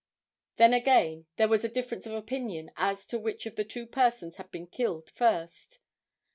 Then again there was a difference of opinion as to which of the two persons had been killed first.